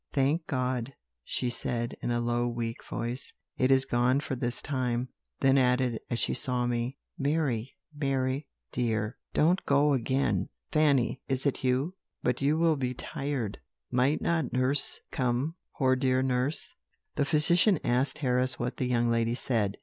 "'Thank God,' she said, in a low, weak voice, 'it is gone for this time;' then added, as she saw me, 'Mary, Mary dear, don't go again. Fanny, is it you? but you will be tired. Might not nurse come, poor dear nurse?' The physician asked Harris what the young lady said.